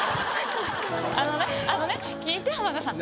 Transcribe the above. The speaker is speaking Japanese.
あのね聞いて浜田さん。